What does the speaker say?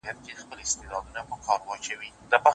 نیل د قهر به یې ډوب کړي تور لښکر د فرعونانو